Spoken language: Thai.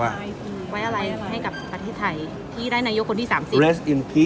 ใช่ไว้อะไรให้กับประเทศไทยที่ได้นายกคนที่๓๐